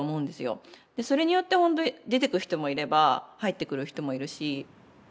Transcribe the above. それによって本当に出ていく人もいれば入ってくる人もいるし。